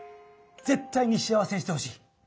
ぜっ対に幸せにしてほしい。